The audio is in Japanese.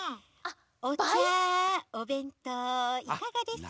おちゃおべんとういかがですか？